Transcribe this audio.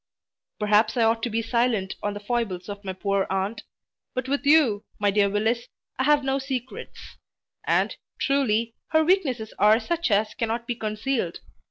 Perhaps I ought to be silent on the foibles of my poor aunt; but with you, my dear Willis, I have no secrets; and, truly, her weaknesses are such as cannot be concealed.